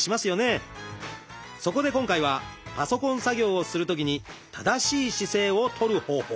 そこで今回はパソコン作業をするときに正しい姿勢を取る方法。